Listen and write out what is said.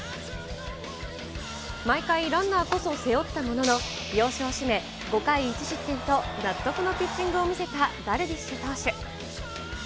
毎回、ランナーこそ背負ったものの、要所を締め、５回１失点と納得のピッチングを見せたダルビッシュ投手。